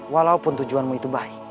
walaupun tujuanmu itu baik